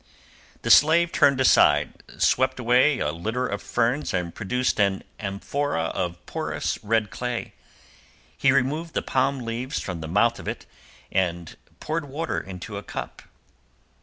The slave turned aside, swept away a litter of ferns and produced an amphora of porous red clay; he removed the palm leaves from the mouth of it and poured water into a cup.